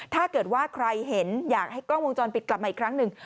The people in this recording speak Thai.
ถ้าเกิดว่าใครเห็นอยากให้กล้องวงจรปิดกลับมาอีกครั้งหนึ่ง